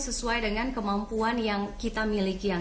sesuai dengan kemampuan yang kita miliki